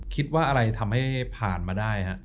คิดว่าอะไรทำให้ผ่านมาได้ฮะ